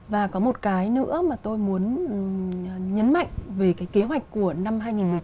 và có một cái nữa mà tôi muốn nhấn mạnh về cái kế hoạch của năm hai nghìn một mươi tám